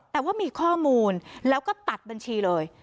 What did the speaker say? แต่ว่ามีข้อมูลแล้วก็ตัดบัญชีเลย